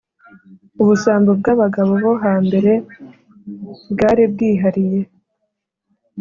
Ubusambo bw’abagabo bo hambere bwaribwihariye